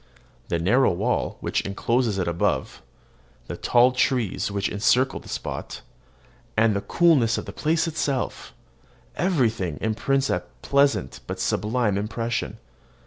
The narrow wall which encloses it above, the tall trees which encircle the spot, and the coolness of the place itself, everything imparts a pleasant but sublime impression.